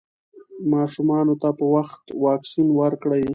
ماشومانو ته په وخت واکسین ورکړئ.